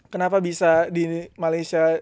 kenapa bisa di malaysia